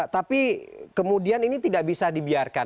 tapi kemudian ini tidak bisa dibiarkan